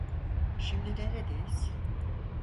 Şimdi neredeyiz?